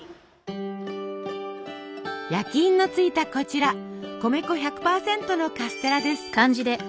焼印のついたこちら米粉１００％のカステラです。